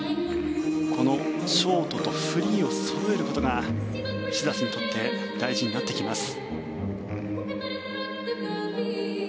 このショートとフリーをそろえることがシザスにとって大事になってきます。